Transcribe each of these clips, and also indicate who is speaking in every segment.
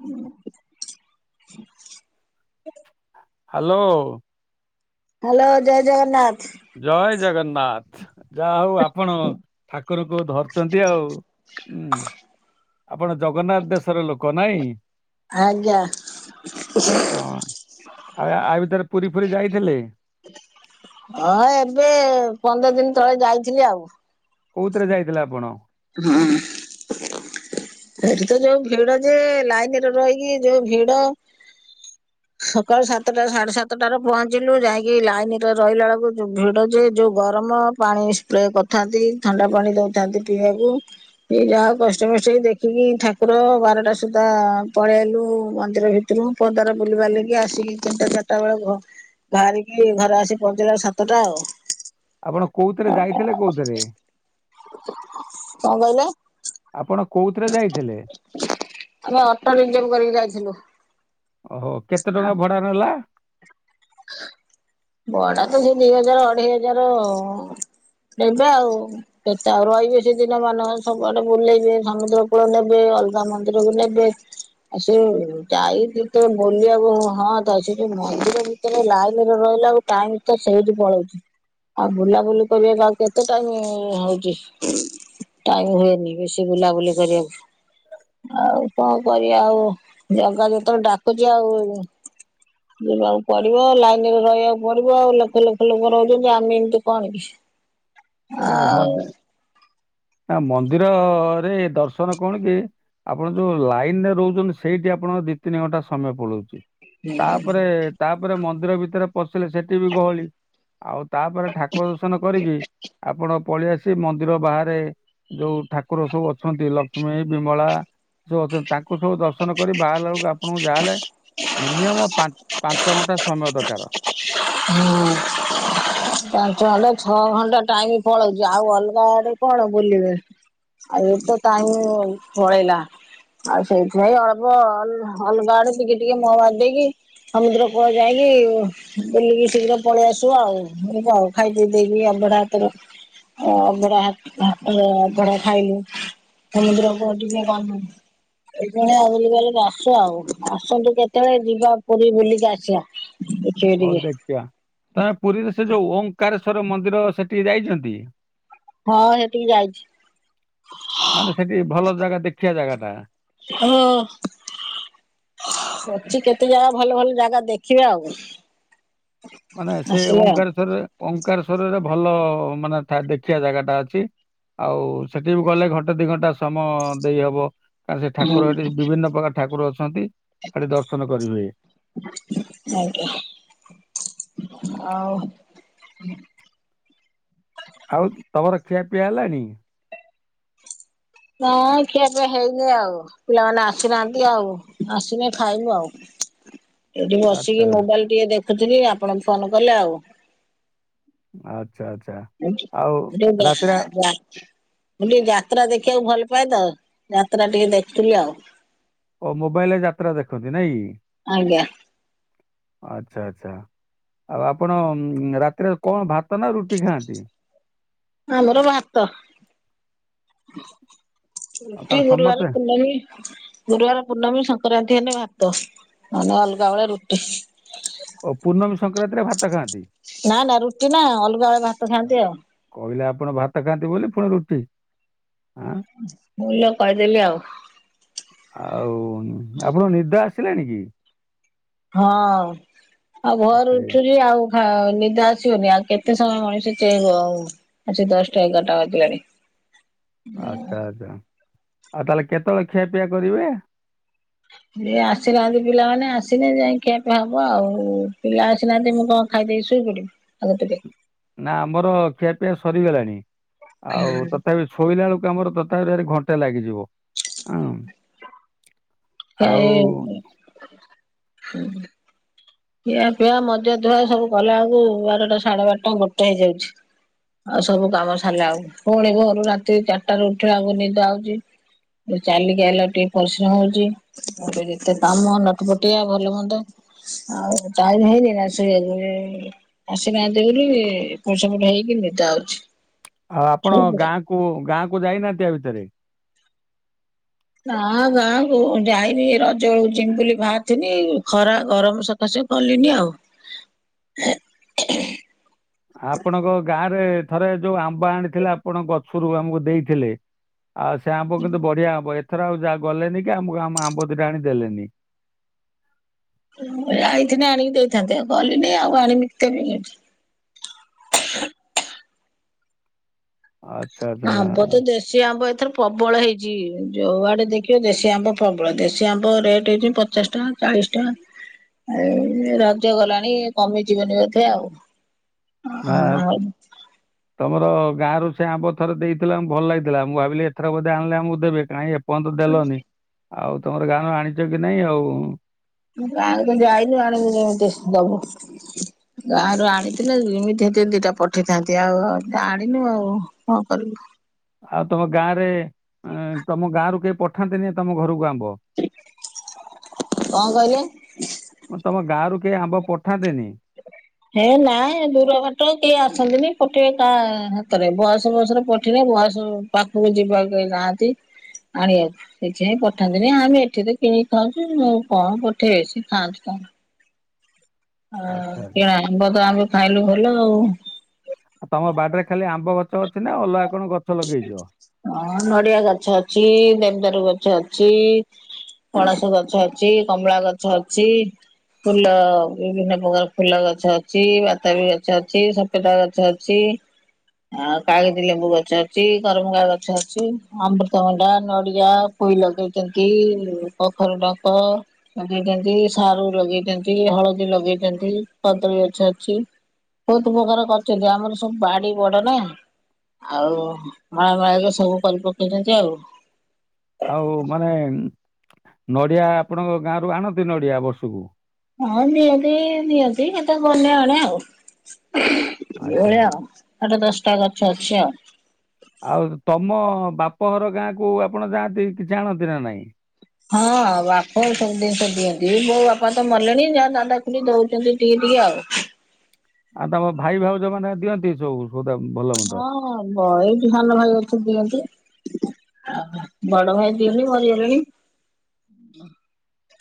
Speaker 1: ଉଁ।
Speaker 2: Hello.
Speaker 1: Hello ଜୟ ଜଗନ୍ନାଥ।
Speaker 2: ଜୟ ଜଗନ୍ନାଥ ଯାହା ହଉ ଆପଣ ଠାକୁରକୁ ଧରିଛନ୍ତି ଆଉ ଉଁ। ଆପଣ ଜଗନ୍ନାଥ ଦେଶର ଲୋକ ନାଇଁ?
Speaker 1: ଆଜ୍ଞା।
Speaker 2: ଉଃ ଆଉ ଆଉ ୟା ଭିତରେ ପୁରୀ ପୁରୀ ଯାଇଥିଲେ?
Speaker 1: ହଁ ଏବେ ପନ୍ଦର ଦିନ ତଳେ ଯାଇଥିଲି ଆଉ।
Speaker 2: କଉଥିରେ ଯାଇଥିଲେ ଆପଣ?
Speaker 1: ହୁଁ। ହେଟି ତ ଯୋଉ ଭିଡ ଯେ ଲାଇନରେ ରହିକି ଯୋଉ ଭିଡ।
Speaker 2: [inaudible]
Speaker 1: ସକାଳୁ ସାତଟା ସାଢେ ସାତଟାରେ ପହଞ୍ଚିଲୁ ଯାଇକି ଲାଇନରେ ରହିଲା ବେଳକୁ ଯ ଭିଡ ଯେ ଯୋଉ ଗରମ। ପାଣି ସ୍ପ୍ରେ କରିଥାନ୍ତି ଥଣ୍ଡା ପାଣି ଦଉଥାନ୍ତି ପିଇବାକୁ। ସେ ଯାହା ହେଉ କଷ୍ଟମଷ୍ଟେ ଦେଖିକି ଠାକୁର ବାରଟା ସୁଦ୍ଧା ପଳେଇ ଆଇଲୁ ମନ୍ଦିର ଭି ତୁରୁ କୁ ପଦାର ବୁଲି ବାଲିକି ଆସିକି ତିନଟା ଚାରିଟା ବେଳେ ଘ ବାହାରିକି ଘରେ ଆସି ପହଞ୍ଚିଲାକୁ ସାତଟା ଆଉ।
Speaker 2: ଆପଣ କୋଉଥିରେ ଯାଇଥିଲେ କୋଉଥିରେ?
Speaker 1: କଁ କହିଲେ?
Speaker 2: ଆପଣ କୋଉଥିରେ ଯାଇଥିଲେ?
Speaker 1: ଆମେ ଅଟୋ ରିଜର୍ଭ କରିକି ଯାଇଥିଲୁ।
Speaker 2: ଓଲା। [inaudible]
Speaker 1: ବଡା ତ ସେ ଦି ହଜାର ଅଢେଇ ହଜାର ନେବେ ଆଉ। ସେତେ ଆଉ ରହିବେ ସେଦିନ ମାନଙ୍କ ସବୁଆଡେ ବୁଲେଇବେ ସମୁଦ୍ର କୂଳ ନେବେ ଅଲଗା ମନ୍ଦିରକୁ ନେବେ। ଆ ସେ ଯାଇଛିି ତ ବୁଲିବାକୁ ହଁ ତା ସେ ଯ ମନ୍ଦିର ବି ତରେ ଲାଇନରେ ରହିଲା ଆକୁ ଟାଇମ୍ ତ ସେଇଠି ପଳଉଛି। ଆଉ ବୁଲାବୁଲି କରିବାକୁ ଆଉ କେତେ ଟାଇମ୍ ହଉଛି। ଟାଇମ୍ ହୁଏନି ବେଶୀ ବୁଲାବୁଲି କରିବାକୁ। ଆଉ କଁ କରିବା ଆଉ ଜଗା ଯେତେବେଳେ ଡାକୁଛି ଆଉ। ଯିବାକୁ ପଡିବ ଲାଇନରେ ରହିବାକୁ ପଡିବ ଆଉ ଲକ୍ଷ ଲକ୍ଷ ଲୋକ ରହୁଛନ୍ତି ଆମେ ଏମତି କଣ କି।
Speaker 2: [inaudible] ହଁ
Speaker 1: ଆଉ
Speaker 2: ଯେ ମନ୍ଦିରରେ ଦର୍ଶନ କଣ କି? ଆପଣ ଯୋଉ ଲାଇନରେ ରହୁଛନ୍ତି ସେଇଠି ଆପଣଙ୍କ ଦି ତିନି ଘଣ୍ଟା ସମୟ ପଳଉଚି। ତାପରେ ତାପରେ ମନ୍ଦିର ଭିତରେ ପଶିଲେ ସେଠି ବି ଗହଳି। ଆଉ ତାପରେ ଠାକୁର ଦର୍ଶନ କରିକି ଆପଣ ପଳେଇଆସି ମନ୍ଦିର ବାହାରେ ଯୋଉ ଠାକୁର ସବୁ ଅଛନ୍ତି ଲକ୍ଷ୍ମୀ ବିମଳା ଯୋଉ ଅଛନ୍ତି ତାଙ୍କୁ ସବୁ ଦର୍ଶନ କରି ବାହାରିଲା ବେଳକୁ ଆପଣଙ୍କୁ ଯାହା ହେଲେ ମିନିୟମ ପା ପାଞ୍ଚ ଘଣ୍ଟା ସମୟ ଦକାର।
Speaker 1: ହୁଁ। ପାଞ୍ଚ ଘଣ୍ଟା ଛଅ ଘଣ୍ଟା ଟାଇମ୍ ପଳଉଛି ଆଉ ଅଲଗା ଆଡେ କଣ ବୁଲିବେ? ଆଉ ଇ ଏ ତ ଟାଇମ୍ ପଳେଇଲା। ଆଉ ସେଇଥି ପାଇଁ ଅଳ୍ପ ଅଲ ଅଲଗା ଆଡେ ଟିକେ ଟିକେ ମୁହଁ ମାରି ଦେଇକି। ସମୁଦ୍ର କୂଳ ଯାଇକି ବୁଲିକି ଶୀଘ୍ର ପଳେଇ ଆସୁ ଆଉ। ଆଉ ଖାଇପିଇ ଦେଇକି ଆଭଢା ହାତର ଅଭଡା ଅଭଡା ଖାଇଲୁ। ସମୁଦ୍ର [unintelligible] ଏଇଖିଣା ବୁଲିବାଲି‌ କି ଆସୁଚୁ ଆଉ। ଆସନ୍ତୁ କେତେବେଳେ ଯିବା ପୁରୀ ବୁଲିକି ଆସିବା। ହ
Speaker 2: ହଉ ଦେଖିବା ତମେ ପୁରୀରେ ସେ ଯୋଉ ଓଙ୍କାରଶ୍ୱର ମନ୍ଦିର ସେଠି ଯାଇଚନ୍ତି?
Speaker 1: ହଁ ସେଠିକି ଯାଇଛି।
Speaker 2: ମାନେ ସେଠି ଭଲ ଜାଗା ଦେଖିବା ଜାଗାଟା।
Speaker 1: ହ୍ୟାଲୋ। ଅଛି କେତେ ଜାଗା ଭଲ ଭଲ ଜାଗା ଦେଖିବେ ଆଉ।
Speaker 2: ମାନେ ସେ
Speaker 1: ଆସିଲେ ଆଉ।
Speaker 2: ଓମଙ୍କାରଶ୍ୱରରେ ଓଙ୍କାରଶ୍ଵରରେ ଭଲ ମାନେ ଠା ଦେଖିବା ଜାଗାଟା ଅଛି। ଆଉ ସେଠି ବି ଗଲେ ଘ ଣ୍ଟା ଦି ଘଣ୍ଟା ସମୟ ଦେଇ ହବ କାରଣ ସେ
Speaker 1: ହୁଁ
Speaker 2: ଠାକୁର ଏଠି ବିଭିନ୍ନ ପ୍ରକାର ଠାକୁର ଅଛନ୍ତି। ସେଠି ଦର୍ଶନ କରିହୁଏ।
Speaker 1: ଆଜ୍ଞା। ଆଉ?
Speaker 2: ଆଉ ତମର ଖିଆପିଆ ହେଲାଣି?
Speaker 1: ନା ଖିଆପିଆ ହେଇନି ଆଉ। ପିଲାମାନେ ଆସିନାହାନ୍ତି ଆଉ ଆସିନି ଖାଇନୁ ଆଉ। ଏଇଠି ବସିକି
Speaker 2: ଆଚ୍ଛା
Speaker 1: ମୋବାଇଲ ଟିକେ ଦେଖୁଥିଲି ଆପଣ ଫୋନ କଲେ ଆଉ।
Speaker 2: ଆଚ୍ଛା ଆଚ୍ଛା।
Speaker 1: [unintelligible]
Speaker 2: ଆଉ
Speaker 1: ମୁଁ
Speaker 2: ରାତିରେ
Speaker 1: ଟିକେ ଯାତ୍ରା ଦେଖିବାକୁ ଭଲ ପାଏ ତ ଯାତ୍ରା ଟିକେ ଦେଖୁଥିଲି ଆଉ।
Speaker 2: ଓ ମୋବାଇଲରେ ଯାତ୍ରା ଦେଖନ୍ତି ନାଇଁକି?
Speaker 1: ଆଜ୍ଞା।
Speaker 2: ଆଚ୍ଛା ଆଚ୍ଛା। ଆଉ ଆପଣ ରାତିରେ କଣ ଭାତ ନା ରୁଟି ଖାଆନ୍ତି?
Speaker 1: ଆମର ଭାତ।
Speaker 2: ଆଉ
Speaker 1: ରୁଟି
Speaker 2: କାରଣ
Speaker 1: ଗୁରୁବାର
Speaker 2: ସମସ୍ତେ
Speaker 1: [unintelligible] ଗୁରୁବାର ପୂର୍ଣ୍ଣମୀ ସଂକ୍ରାନ୍ତି ହେଲେ ଭାତ ନହେନେ ଅଲଗା ବେଳେ ରୁଟି।
Speaker 2: ଓ ପୂର୍ଣ୍ଣମୀ ସଂକ୍ରାନ୍ତିରେ ଭାତ ଖାଆନ୍ତି।
Speaker 1: ନା ନା ରୁଟି ନା ଅଲଗା ବେଳେ ଭାତ ଖାଆନ୍ତି ଆଉ।
Speaker 2: କହିଲେ ଆପଣ ଭାତ ଖାଆନ୍ତି ବୋଲି ଫୁଣି ରୁଟି। ଆଁ
Speaker 1: ଭୁଲରେ କହିଦେଲି ଆଉ।
Speaker 2: ଆଉ ଆପଣ ନିଦା ଆସିଲାଣି କି?
Speaker 1: ହଁ ଆଉ ଭୋରୁ
Speaker 2: ଆଚ୍ଛା ଆଜ୍ଞା
Speaker 1: ଉଠୁଚି। ‌ ଆଉ ହଁ ନିଦ ଆସିବନି ଆଉ କେତେ ସମୟ ମଣିଷ ଚେଇଁବ ଆଜି ଦଶଟା ଏଗାରଟା ବାଜିଲାଣି।
Speaker 2: ଆଚ୍ଛା ଆଚ୍ଛା ଆଉ ତାହେଲେ କେତେବେଳେ ଖିଆପିଆ କରିବେ?
Speaker 1: ଏ ଆସିନାହାନ୍ତି ପିଲାମାନେ ଆସିନେ ଯାଇଁ ଖିଆପିଆ ହବ ଆଉ ପିଲା ଆସିନାହାନ୍ତି ମୁଁ କଣ ଖାଇ ଦେଇ ଶୋଇ ପଡିବି ଆଗ ଟିକେ।
Speaker 2: ନା ଆମର ଖିଆ ପିଇଆ ସରିଗଲାଣି ଆଉ ତଥାପି ଶୋଇଲା ବେଳକୁ ଆମର ତତାରେ ଭାରି ଘଣ୍ଟା ଲାଗିଯିବ। ହଁ ଆଉ
Speaker 1: [inaudible] ଖିଆପିଆ ମଜାଧୁଆ ସବୁ କଲା ଉକୁ ବାରଟା ସାଢେ ବାରଟା ଗୋଟେ ହେଇଯାଉଛି। ଆଉ ସବୁ କାମ ସାରିଲା ଆଳକୁ ପୁଣି ଘରୁ ରାତି ଚାରିଟାରୁ ଉଠିବା ଆକୁ ନିଦ ଆଉଚି। ଏ ଚାଲିକି ଆଇଲା [unintelligible] ଟିକେ ପରିଶ୍ରମ ହଉଚି। ମୋର ଯେତେ ଦାମ ନଟପଟିଆ ଭଲ ହୁନ୍ଦ ଆଉ ଟାଇମ ହେଇନେଇ ନା ଶୋଇବାକୁ ଆସି ନାହାନ୍ତି ବୋଲି ଏପଟ ସେପଟ ହେଇକି ନିଦ ଆଉଛି
Speaker 2: ଆଉ ଆପଣ ଗାଁକୁ ଗାଁ କୁ ଯାଇନାହାନ୍ତି ଆ ଭିତରେ
Speaker 1: ଆଁ ଗାଁ କୁ ଯାଇନି ରଜ ବେଳକୁ ଜୀମିବୁଲି ବାହାରିଥିନି ଖରା ଗରମ ସ ତ ସେ କଲିନି ଆଉ।
Speaker 2: [inaudible] ଆପଣଙ୍କ ଗାଁ ରେ ଥରେ ଯୋଉ ଆମ୍ବ ଆଣିଥିଲା ଆପଣ ଗଛରୁ ଆମକୁ ଦେଇଥିଲେ। ଆଉ ସେ ଆମ୍ବ କିନ୍ତୁ ବଢିଆ ଆମ୍ବ ଏଥର ଆଉ ଯା ଗଲେନି କି ଆମକୁ ଆମ ଆମ୍ବ ଦିଟା ଆଣି ଦେଲେନି।
Speaker 1: ଯାଇଥିନେ ଆଣିକି ଦେଇଥାନ୍ତେ ଆଉ ଗଲିନି ଆଉ ଆଣିବି କେମି
Speaker 2: [inaudible] ଆଚ୍ଛା ଆଚ୍ଛା
Speaker 1: ହବ ତ ଦେଶ୍ ଦେଶୀ ଆମ୍ବ ଏଥର ପ୍ରବଳ ହେଇଜି ଯୋଉ ଆଡେ ଦେଖିବ ଦେଶୀ ଆମ୍ବ ପ୍ରବଳ ଦେଶୀ ଆମ୍ବ ରେଟ୍ ହେଉଚି ପ ପଚାଶ୍ ଟଙ୍କା ଚାଳିଶ୍ ଟଙ୍କା। ଏଇ ରଜ ଗଲାଣି କମିଯିବନି ବୋଧେ ଆଉ। ଆଉ
Speaker 2: ନାକୁ। ତମର ଗାଁରୁ ସେ ଆମ୍ବ ଥରେ ଦେଇଥିଲ ଭଲ ଲାଗିଥିଲା ମୁଁ ଭାବିଲି ଏଥର ବୋଧେ ଆଣିଲେ ଆମକୁ ଦେବେ କାଇଁ ଏ ପନ୍ତ ଦେଲନି ଆଉ ତମର ଗାନ ଆଣିଚ କି ନାଇଁ ଆଉ।
Speaker 1: ଗାଁ ରୁ କିନ୍ତୁ ଆଇନୁ ଆଣିକି କେମିତି ଦବୁ। ଗାଁରୁ ଆଣିଥିଲେ [unintelligible] ହେଇ ଦିଟା ପଠେଇଥାନ୍ତି ଆଉ ଆଣିନୁ ଆଉ କଣ କରିବୁ।
Speaker 2: ଆଉ ତମ ଗାଁ ରେ ଏଁ ତମ ଗାଁରୁ କେହି ପଠାନ୍ତିନି ତମ ଘରକୁ ଆମ୍ବ?
Speaker 1: କଁ କଇଲେ?
Speaker 2: ତମ ଗାଁରୁ କେହି ଆମ୍ବ ପଠାନ୍ତେନି?
Speaker 1: ହେ ନାଇଁ ଦୂରଘାଟ କିଏ ଆସନ୍ତିନି ପଠେଇ କା ହାତରେ ବୟସ ବସ୍ ରେ ପଠିରେ ବୟସ। ପାଖକୁ ଯିବାକୁ କେହି ନାହାନ୍ତି ଆଣିବାକୁ। ସେଇଛି ପାଇଁ ପଠାନ୍ତିନି ଆମେ ଏଠିରେ କିିଣିକି ଖାଉଚୁ ମୁଁ କଣ ପଠେଇବେ ସେ ଖାଆନ୍ତୁ ତା ହ
Speaker 2: ଆଚ୍ଛା ଆଚ୍ଛା
Speaker 1: କିଣା ଆମ୍ବ ତ ଆମ୍ବ ଖାଇଲୁ ଭଲ ଆଉ।
Speaker 2: ଆଉ ତମ ବାଡିରେ ଖାଲି ଆମ୍ବ ଗଛ ଅଛି ନା ଅଲଗା କଣ ଗଛ ଲଗେଇଚ?
Speaker 1: ହଁ ନଡିଆ ଗଛ ଅଛି ଦେବ୍ ଦାରୁ ଗଛ ଅଛି। ପଣସ ଗଛ ଅଛି କମଳା ଗଛ ଅଛି। ଫୁଲ ବିଭିନ୍ନ ପ୍ରକାର ଫୁଲ ଗଛ ଅଛି ବାତା ବି ଗଛ ଅଛି ସ [unintelligible] ଗଛ ଅଛି ଆଉ କାଗଜୀ ଲେମ୍ବୁ ଗଛ ଅ ଛି କରମଙ୍ଗା ଗଛ ଅଛି ଅମୃତଭଣ୍ଡା ନଡିଆ ପୋଇ ଲଗେଇଚନ୍ତି। କଖାରୁ ଡଙ୍କ। ଲଗେଇତନ୍ତି ସାରୁ ଲଗେଇଚନ୍ତି ହଳଦୀ ଲଗେଇଚନ୍ତି କଦଳୀ ଗଛ ଅଛି। ବହୁତ୍ ଉପକାର କରିଚନ୍ତି ଆମର ସବୁ ବାଡି଼ ବଡ଼ ନା ଆଉ। ଭା-ଭା ହେଇକି ସବୁ କରିପକେଇଚନ୍ତି ଆଉ।
Speaker 2: ଆଉ ମାନେ ନଡିଆ ଆପଣଙ୍କ ଗାଁରୁ ଆଣନ୍ତି ନଡିଆ ବର୍ଷକୁ?
Speaker 1: ହଁ ଦିଅନ୍ତି ନିଅନ୍ତି କେତେ ଗନେ ଆଣେ ଆଉ। ଏଇ
Speaker 2: ଆଚ୍ଛା
Speaker 1: ଭଳିଆଉ ଆଠ ଦଶ୍ ଟା ଗଛ ଅଛି ଆଉ।
Speaker 2: ଆଉ ତମ ବାପ ଘର ଗାଁ କୁ ଆପଣ ଯାଆନ୍ତି କିଛି ଆଣନ୍ତି ନା ନାଇଁ?
Speaker 1: ହଁ ବାପ ସବୁ ଦିନିଷ ଦିଅନ୍ତି ମୋ ବାପା ତ ମଲେଣି ଯା ଦାଦା ଖୁ ଦଉଚନ୍ତି ଟିଏ ଟିକେ ଆଉ।
Speaker 2: ଆଉ ତମ ଭାଇ ଭାଉଜ ମାନେ ଦିଅନ୍ତି ସବୁ ସୋଦା ଭଲ ମନ୍ଦ।
Speaker 1: ହଁ ବହି ବି ସାନ ଭାଇ ଅଛି ଦିଅନ୍ତି। ବଡ ଭାଇ ତିନି। ମରିଗଲେଣି।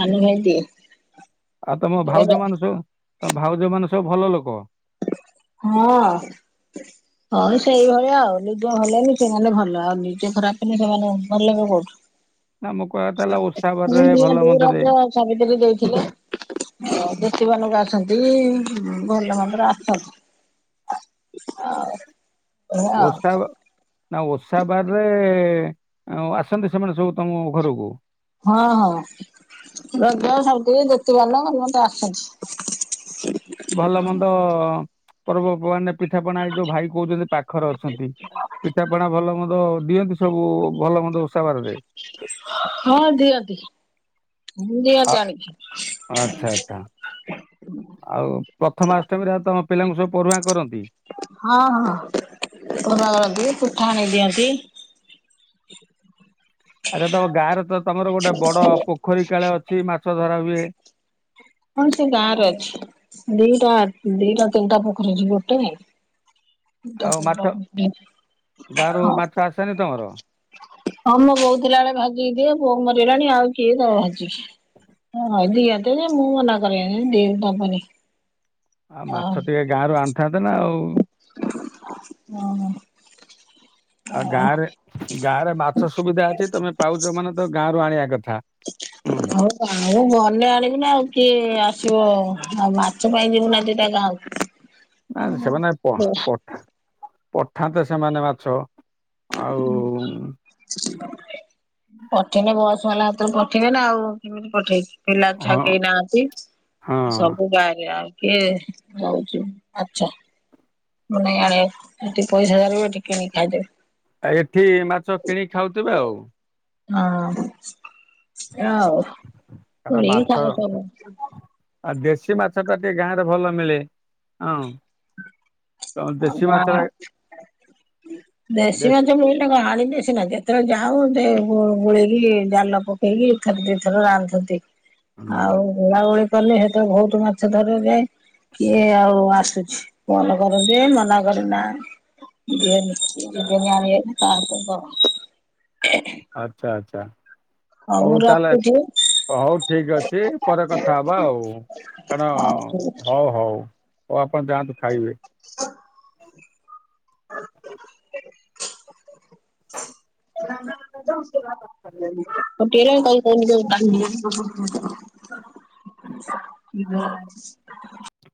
Speaker 1: ସାନ ଭାଇଦିଏ।
Speaker 2: ଆଉ ତମ ଭାଉଜ ମାନେ ସବୁ, ତମ ଭାଉଜ ମାନେ ସବୁ ଭଲ ଲୋକ?
Speaker 1: ହଁ। ହଁ ସେଇଭଳିଆ ଆଉ। ନିଜେ ଭଲ ହେଲେ ସେମାନେ ଭଲ ଆଉ ନିଜେ ଖରାପ୍ ହେଲେ ସେମାନେ ଭଲ ହେବେ କୋଉଠୁ?
Speaker 2: ନା ମୋ କହିବା କଥା ହେଲା ଓଷା ବାରରେ
Speaker 1: ହଁ
Speaker 2: ଭଲ
Speaker 1: ଦିଅନ୍ତି।
Speaker 2: ମନ୍ଦରେ
Speaker 1: ରଜ ସାବିତ୍ରୀ ରେ ଦେଇଥିଲେ। ହଁ [unintelligible] ଆସନ୍ତି। ଭଲ ମନ୍ଦରେ ଆସନ୍ତି। ଆଉ ଏଇଆ
Speaker 2: ଓଷା, ବ ନା ଓଷା ବାରରେ ଆସନ୍ତି ସେମାନେ ସବୁ ତମ ଘରକୁ?
Speaker 1: ହଁ ହଁ ରଜ, ସାବିତ୍ରୀ, ଦୂତୀ ବାହନ [inaudible] ଆସନ୍ତି।
Speaker 2: ଭଲ ମନ୍ଦ ପର୍ବ ପର୍ବାଣିରେ ପିଠା ପଣା ଏ ଯୋଉ ଭାଇ କହୁଛନ୍ତି ପାଖରେ ଅଛନ୍ତି ପିଠାପଣା ଭଲ ମନ୍ଦ ଦିଅନ୍ତି ସବୁ ଭଲ ମନ୍ଦ ଓଷାବାରରେ?
Speaker 1: ହଁ ଦିଅନ୍ତି। ଦିଅନ୍ତି
Speaker 2: ଆ- ଆଚ୍ଛା
Speaker 1: ଆଣିକି।
Speaker 2: ଆଚ୍ଛା ଆଉ ପ୍ରଥମା ଆଷ୍ଟମୀରେ ତମ ପିଲାଙ୍କୁ ସବୁ ପୋରୁହାଁ କରନ୍ତି?
Speaker 1: ହଁ ହଁ। ପୋରୁହାଁ କରନ୍ତି। ପିଠା ଆଣି ଦିଅନ୍ତି।
Speaker 2: ଆରେ ତମ ଗାଁରେ ତ ତମର ଗୋଟେ ବଡ ପୋଖରୀ କାଳେ ଅଛି ମାଛ ଧରା ହୁଏ।
Speaker 1: ହଁ ସେ ଗାଁରେ ଅଛି। ଦିଟା ଦିଟା ତିନିଟା ପୋଖରୀ ଅଛି। ଗୋଟେ ନାଇଁ।
Speaker 2: ଆଉ ମାଛ, ଗାଁ ରୁ
Speaker 1: ହଁ
Speaker 2: ମାଛ ଆସେନି ତମର?
Speaker 1: ହଁ ମୋ ବୋଉ ଥିଲାବେଳେ ଭାଜିକି ଦିଏ। ବୋଉ ମରିଗଲାଣି ଆଉ କିଏ ଦବ ଭାଜି। ହଁ ଦିଆନ୍ତି, ଯେ ମୁଁ ମନା କରେ ଏ ଦେ ଦବନି।
Speaker 2: ଆଉ ମାଛ ଟିକେ ଗାଁରୁ ଆଣିଥାନ୍ତେ ନା ଆଉ?
Speaker 1: ହଁ।
Speaker 2: ଆଉ ଗାଁ ରେ, ଗାଁ ରେ ମାଛ ସୁବିଧା ଅଛି। ତମେ ପାଉଛ ମାନେ ତ ଗାଁରୁ ଆଣିବା କଥା। ହୁଁ
Speaker 1: ହଉ ଗାଁ କୁ ଗଲେ ଆଣିବୁନା। ଆଉ କିଏ ଆସିବ। ଆଉ ମାଛ ପାଇଁ ଯିବୁ ନା ଦିଟା ଗାଁକୁ।
Speaker 2: ନା ସେମାନେ ପହ ପ ପଠାନ୍ତେ ସେମାନେ ମାଛ। ଆଉ
Speaker 1: ପଠେଇଲେ ବସ ବାଲା ହାତରେ ପଠେଇ ବେ ନା ଆଉ କିମିତି ପଠେଇବେ। ପିଲାଛୁଆ
Speaker 2: ହଁ
Speaker 1: କେହି ନାହାନ୍ତି।
Speaker 2: ହଁ ଆଉ
Speaker 1: ସବୁ ବାହାରେ ଆଉ କିଏ ଦଉଛି ମାଛ। [inaudible] ଏଠି ପଇସା ଦେଲେ ବିଟି ଏଠି କିଣି କି ଖାଇଦେବେ।
Speaker 2: ଆ ଏଠି ମାଛ କିଣିକି ଖାଉଥିବେ ଆଉ?
Speaker 1: ହଁ, [inaudible]
Speaker 2: କାନା
Speaker 1: କରିକି
Speaker 2: ମାଛ
Speaker 1: ଖାଇବେ ସବୁ
Speaker 2: ଆଉ ଦେଶୀ ମାଛ ଟା ଟିକେ ଗାଁ ରେ ଭଲ ମିଳେ। ହଁ ତମ ଦେଶୀ ମାଛଟା
Speaker 1: ଦେଶୀ ମାଛ ମିିଳିଲେ କଣ ଆଣିଲେ ସିନା କିଏ। ଯେତେବେଳେ ଯାାଉ ସେ ଗୋଳେଇକି ଜାଲ ପକେଇକି ଥରେ ଦି ଥର ରାନ୍ଧନ୍ତି।
Speaker 2: ହୁଁ
Speaker 1: ଆଉ ଗୋଳାଗୋଳି କଲେ ସେତେବେଳେ ବହୁତ ମାଛ ଧରାଯାଏ। କିଏ ଆଉ ଆସୁଛି। ଫୋନ କର ସିଏ ମନା କରେ। ନାଇଁ। [unintelligible]
Speaker 2: ଆଚ୍ଛା ଆଚ୍ଛା।
Speaker 1: ହଉ ମୁଁ ରଖୁଛି।
Speaker 2: ହଉ ଠିକ ଅଛି ପରେ କଥା ହବା ଆଉ କାରଣ।
Speaker 1: ଆଉ
Speaker 2: ହଉ ହଉ ହଉ ଆପଣ ଯାଆନ୍ତୁ ଖାଇବେ।
Speaker 1: [unintelligible] [unintelligible] ଆଉ ଟିକେ ହେଲାନି ତାକୁ କହୁନୁ ଯାଇକି ପାଣି ନେଇଆସିବ। [unintelligible]